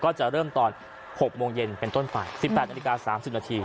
ก็จะเริ่มตอน๖โมงเย็นเป็นต้นไป๑๘นาฬิกา๓๐นาที